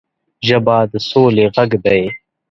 ژبه د سولې غږ دی